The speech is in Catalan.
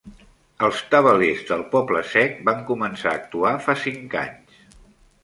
Els Tabalers del Poble Sec van començar a actuar fa cinc anys.